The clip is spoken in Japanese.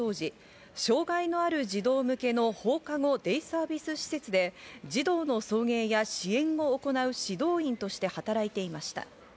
警察によりますと、向笠容疑者は事件当時、障害のある児童向けの放課後デイサービス施設で児童の送迎や支援を行う指導員として働いていました。